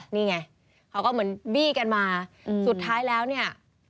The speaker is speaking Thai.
นี่ไงเขาก็มีมาสุดท้ายแล้วเนี่ย